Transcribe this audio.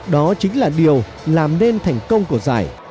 đó chính là điều làm nên thành công của giải